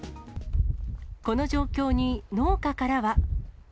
この状況に農家からは。